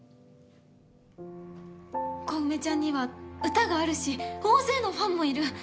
小梅ちゃんには歌があるし大勢のファンもいる。